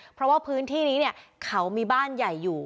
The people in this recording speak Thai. เพราะว่าพื้นที่นี้เขามีบ้านใหญ่อยู่